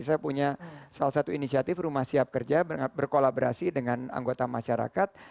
saya punya salah satu inisiatif rumah siap kerja berkolaborasi dengan anggota masyarakat